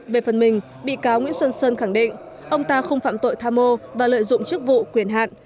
về phần mình bị cáo nguyễn xuân sơn khẳng định ông ta không phạm tội tham mô và lợi dụng chức vụ quyền hạn